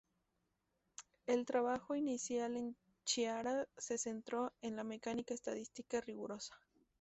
El trabajo inicial de Chiara se centró en la mecánica estadística rigurosa.